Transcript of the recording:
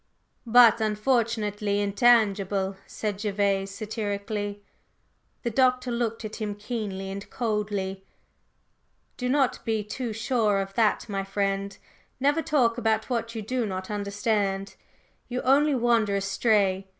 "But, unfortunately, intangible!" said Gervase, satirically. The Doctor looked at him keenly and coldly. "Do not be too sure of that, my friend! Never talk about what you do not understand; you only wander astray.